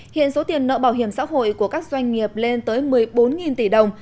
hiện số tiền nợ bảo hiểm xã hội của các doanh nghiệp lên tới một mươi bốn tỷ đồng